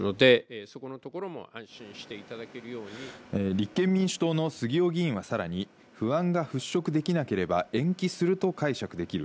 立憲民主党の杉尾議員はさらに不安が払拭できなければ延期すると解釈できる。